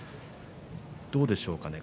どうでしょうかね？